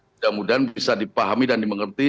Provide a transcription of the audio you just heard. mudah mudahan bisa dipahami dan dimengerti